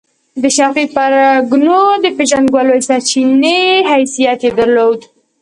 د شرقي پرګنو د پېژندګلوۍ سرچینې حیثیت یې درلود.